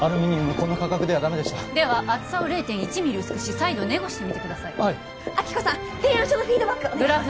この価格ではダメでしたでは厚さを０．１ミリ薄くし再度ネゴしてみてください亜希子さん提案書のフィードバックお願いします